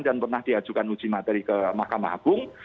dan pernah diajukan uji materi ke mahkamah agung